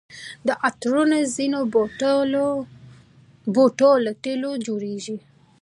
عطرونه د ځینو بوټو له تېلو جوړیږي.